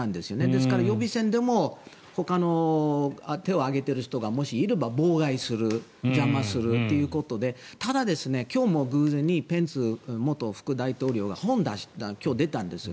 ですから予備選でもほかの手を挙げている人がもしいれば妨害する邪魔するということでただ、今日も偶然ペンス元副大統領が本を出した、今日出たんです。